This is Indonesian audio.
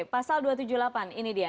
pasal dua ratus tujuh puluh delapan ini dia